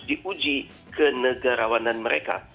diuji kenegarawanan mereka